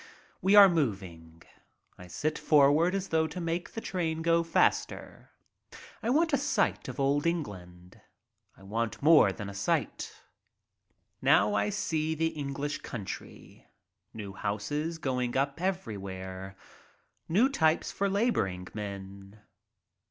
We are moving. I sit forward as though to make the train go faster. I want a sight of Old England. I want more than a sight. Now I see the English country. New houses going up everywhere. New types for laboring men.